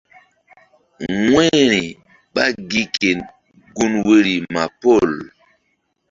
Wu̧yri ɓá gi ke gun woyri ma pol.